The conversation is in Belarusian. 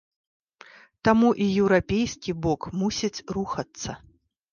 Таму і еўрапейскі бок мусіць рухацца.